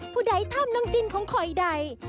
ผู้ใดทำน้องดินของคอยใด